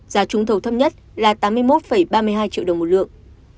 giá trúng thầu thấp nhất là tám mươi một ba mươi hai triệu đồng một lượng